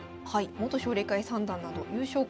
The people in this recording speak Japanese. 元奨励会三段など優勝候補